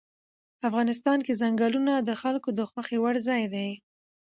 افغانستان کې چنګلونه د خلکو د خوښې وړ ځای دی.